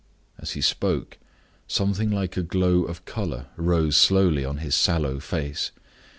As he spoke, something like a glow of color rose slowly on his sallow face.